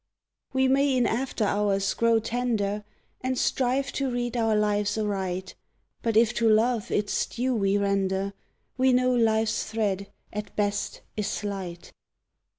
We may in after hours grow tender And strive to read our lives aright, But if to Love its due we render, We know Life's thread, at best, is slight!